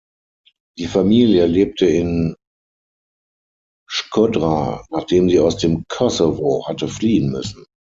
Die Familie lebte in Shkodra, nachdem sie aus dem Kosovo hatte fliehen müssen.